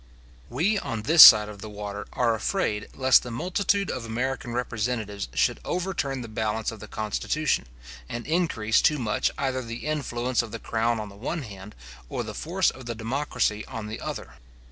We on this side the water are afraid lest the multitude of American representatives should overturn the balance of the constitution, and increase too much either the influence of the crown on the one hand, or the force of the democracy on the other.